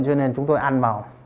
cho nên chúng tôi ăn vào